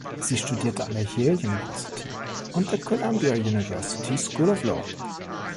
Sie studierte an der Yale University und der Columbia University School of Law.